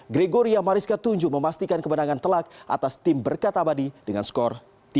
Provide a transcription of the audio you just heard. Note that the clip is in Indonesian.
gregoria mariska tujuh memastikan kemenangan telak atas tim berkata abadi dengan skor tiga